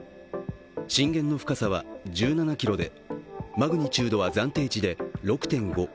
震源の深さは１７ｋｍでマグニチュードは暫定値で６．５。